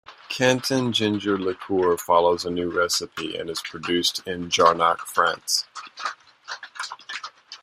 Canton Ginger Liqueur follows a new recipe and is produced in Jarnac, France.